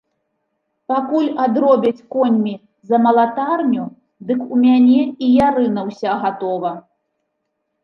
Пакуль адробяць коньмі за малатарню, дык у мяне і ярына ўся гатова.